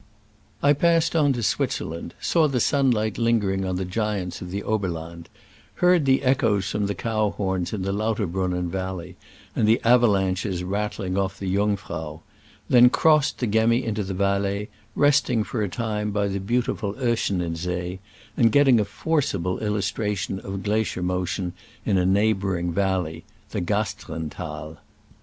I passed on to Switzerland ; saw the sunlight lingering on the giants of the Oberland ; heard the echoes from the cow horns in the Lauterbrunnen valley and the avalanches rattling off the Jung frau ; and then crossed the Gemmi into the Valais, resting for a time by the beautiful Oeschinen See, and getting a forcible illustration of glacier motion in a neighboring valley — the Gasteren Thai.